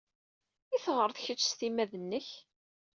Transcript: I teɣred kecc s timmad-nnek?